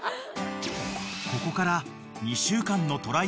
［ここから］